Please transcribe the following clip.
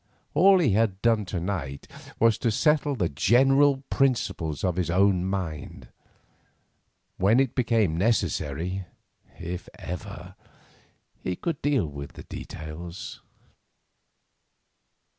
All he had done to night was to settle the general principles in his own mind. When it became necessary—if ever—he could deal with the details.